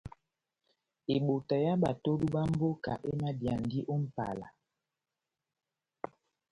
Ebota yá batodu bá mboka emadiyandi ó Mʼpala.